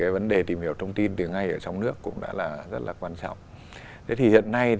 vấn đề tìm hiểu thông tin từ ngay ở trong nước cũng đã rất quan trọng